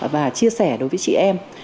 và chia sẻ đối với chị em